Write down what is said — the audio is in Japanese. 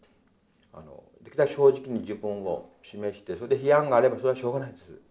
できるだけ正直に自分を示してそれで批判があればそれはしょうがないです。